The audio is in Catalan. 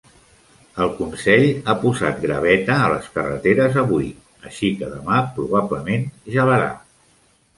El consell ha posat graveta a les carreteres avui, així que demà, probablement, gelarà.